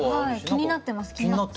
気になってます。